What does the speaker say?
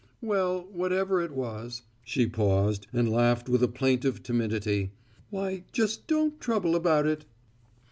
"Well, whatever it was" she paused, and laughed with a plaintive timidity "why, just don't trouble about it!"